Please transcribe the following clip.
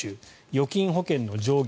預金保険の上限